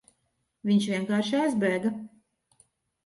Viņš vienkārši aizbēga.